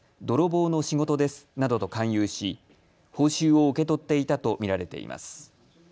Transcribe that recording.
泥棒の仕事ですなどと勧誘し報酬を受け取っていたと見られています。